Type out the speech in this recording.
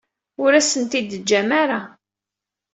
Ur asen-ten-id-teǧǧam ara.